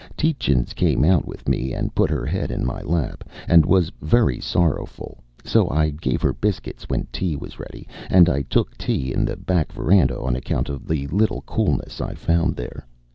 Tietjens came out with me and put her head in my lap, and was very sorrowful, so I gave her biscuits when tea was ready, and I took tea in the back veranda on account of the little coolness I found there.